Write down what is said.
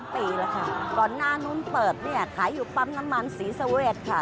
ปีแล้วค่ะก่อนหน้านู้นเปิดเนี่ยขายอยู่ปั๊มน้ำมันศรีสเวทค่ะ